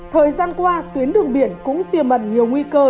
thời gian qua tuyến đường biển cũng tiềm mẩn nhiều nguy cơ